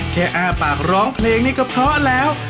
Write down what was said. อ้าปากร้องเพลงนี่ก็เพราะแล้ว